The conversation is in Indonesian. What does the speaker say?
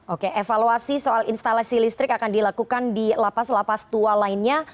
oke evaluasi soal instalasi listrik akan dilakukan di lapas lapas tua lainnya